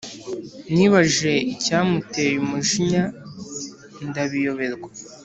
nibajije icyamuteye umujinya ndabiyoberwa